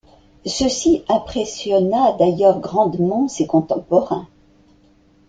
Ceci impressionna d’ailleurs grandement ses contemporains.